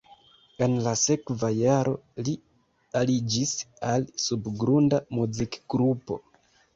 En la sekva jaro li aliĝis al subgrunda muzikgrupo.